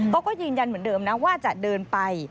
เขาก็ยืนยันเหมือนเดิมนะว่าจะเดินไป